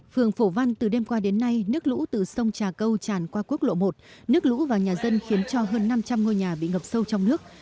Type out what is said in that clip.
phường phổ văn từ đêm qua đến nay nước lũ từ sông trà câu tràn qua quốc lộ một nước lũ vào nhà dân khiến cho hơn năm trăm linh ngôi nhà bị ngập sâu trong nước